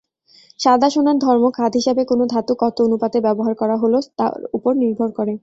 সাদা সোনার ধর্ম খাদ হিসাবে কোন ধাতু কত অনুপাতে ব্যবহার করা হল তার উপর নির্ভর করে।